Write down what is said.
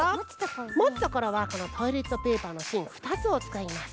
もつところはこのトイレットペーパーのしん２つをつかいます。